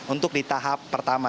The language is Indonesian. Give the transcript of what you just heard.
untuk di tahap pertama